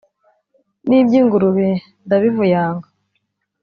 N'iby'ingurube ndabivuyanga!